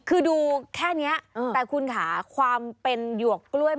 คือดูแค่นี้แต่คุณค่ะความเป็นหยวกกล้วย